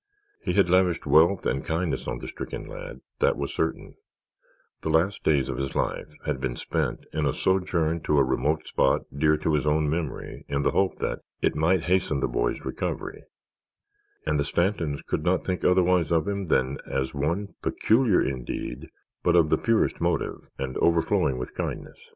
He had lavished wealth and kindness on the stricken lad, that was certain; the last days of his life had been spent in a sojourn to a remote spot dear to his own memory in the hope that it might hasten the boy's recovery; and the Stantons could not think otherwise of him than as one, peculiar indeed, but of the purest motive and overflowing with kindness.